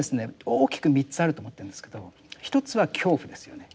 大きく３つあると思ってるんですけど一つは恐怖ですよね。